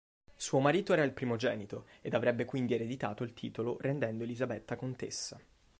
Suo marito era il primogenito ed avrebbe quindi ereditato il titolo rendendo Elisabetta contessa.